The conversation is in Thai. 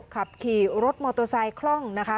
ขับขี่รถมอเตอร์ไซค์คล่องนะคะ